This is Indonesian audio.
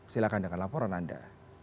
silakan dengan laporan anda